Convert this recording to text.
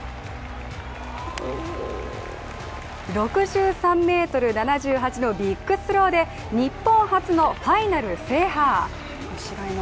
６３ｍ７８のビッグスローで日本初のファイナル制覇。